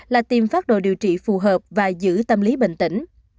là tìm phát đồ điều trị phù hợp và giữ tâm lý bình tĩnh